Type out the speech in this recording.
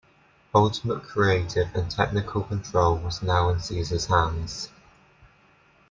Ultimate creative and technical control was now in Caesar's hands.